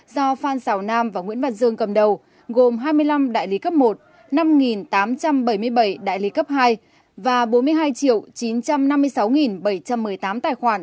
do phan xảo nam và nguyễn văn dương cầm đầu gồm hai mươi năm đại lý cấp một năm tám trăm bảy mươi bảy đại lý cấp hai và bốn mươi hai chín trăm năm mươi sáu bảy trăm một mươi tám tài khoản